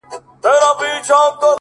تا ولي په مسکا کي قهر وخندوئ اور ته،